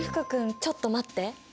君ちょっと待って。